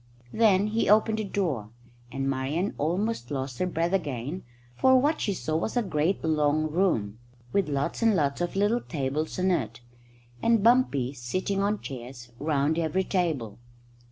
Then he opened the door, and Marian almost lost her breath again, for what she saw was a great long room, with lots and lots of little tables in it, and bumpies sitting on chairs round every table.